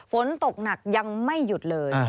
ฝนตกหนักยังไม่หยุดเลย